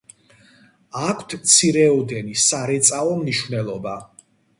აქვთ მცირეოდენი სარეწაო მნიშვნელობა.